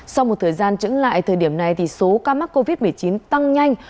sau một thời gian trứng lại thời điểm này thì số ca mắc covid một mươi chín tăng nhanh